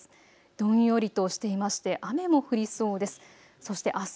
どんよりとしていまして雨も降りそうです。